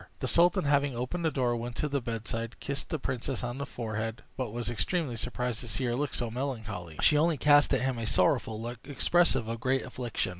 The sultan, having opened the door, went to the bedside, kissed the princess on the forehead, but was extremely surprised to see her look so melancholy. She only cast at him a sorrowful look, expressive of great affliction.